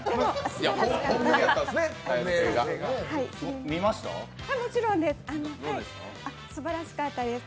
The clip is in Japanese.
でも、すばらしかったです。